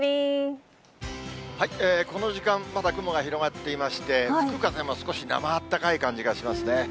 この時間、まだ雲が広がっていまして、吹く風も少しなまあったかい感じがしますね。